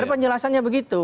ada penjelasannya begitu